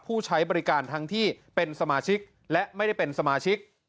ผู้ใช้บริการทั้งที่เป็นสมาชิกและไม่ได้เป็นสมาชิก